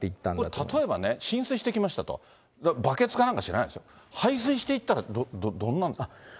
これ、例えばね、浸水していきました、バケツかなんか、知らないですよ、排水していったらどんなんなるんですか？